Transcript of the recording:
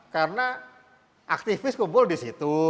karena aktivis kumpul di situ